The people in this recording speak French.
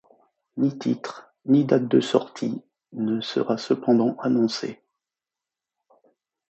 Ni titre, ni date de sortie ne sera cependant annoncé.